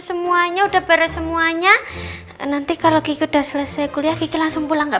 semuanya udah beres semuanya nanti kalau kiki udah selesai kuliah kiki langsung pulang gak